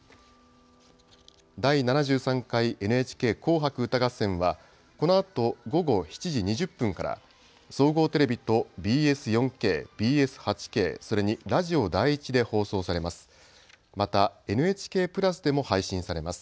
第７３回ＮＨＫ紅白歌合戦は、このあと午後７時２０分から、総合テレビとＢＳ４Ｋ、ＢＳ８Ｋ、それにラジオ第１で放送されます。